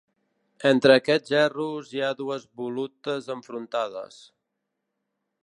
Entre aquests gerros hi ha dues volutes enfrontades.